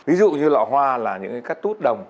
ví dụ như lọ hoa là những cắt tút đồng